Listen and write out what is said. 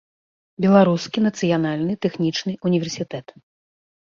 Беларускі нацыянальны тэхнічны ўніверсітэт.